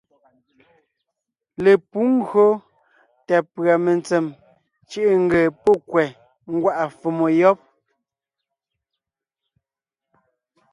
Lepǔ ńgÿo tà pʉ̀a mentsèm cʉ̀ʼʉ ńgee pɔ́ kwɛ̀ ńgwá’a fòmo yɔ́b.